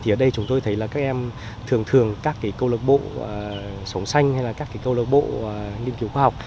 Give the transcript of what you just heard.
ở đây chúng tôi thấy là các em thường thường các câu lạc bộ sống xanh hay là các câu lạc bộ nghiên cứu khoa học